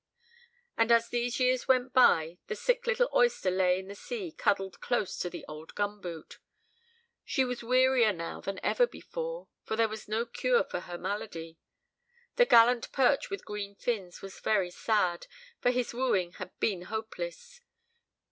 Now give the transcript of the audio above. And as these years went by, the sick little oyster lay in the sea cuddled close to the old gum boot. She was wearier now than ever before, for there was no cure for her malady. The gallant perch with green fins was very sad, for his wooing had been hopeless.